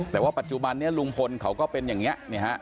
แต่ว่าปัจจุบันนี้ลุงพลเขาก็เป็นอย่างนี้